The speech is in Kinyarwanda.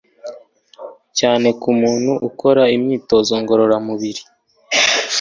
cyane ku muntu ukora imyitozo ngororamibiri.